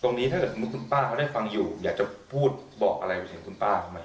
ถ้าเกิดคุณป้าเขาได้ฟังอยู่อยากจะพูดบอกอะไรไปถึงคุณป้าเขาไหม